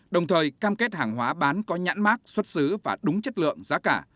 đồng thời cam kết hàng hóa bán có nhãn mát xuất xứ và đúng chất lượng giá cả